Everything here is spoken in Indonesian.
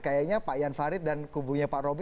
kayaknya pak ian farid dan kubunya pak robby